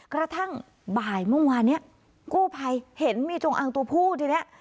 กระทั่งบ่ายเมื่อวานนี้กู้ภัยเห็นมีจงอางตัวผู้ที่เนี้ย